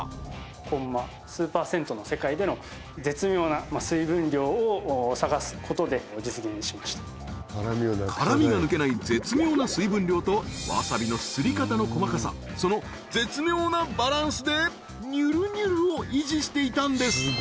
コンマ数％の世界での絶妙な水分量を探すことで実現しました辛味が抜けない絶妙な水分量とわさびのすり方の細かさその絶妙なバランスでにゅるにゅるを維持していたんです！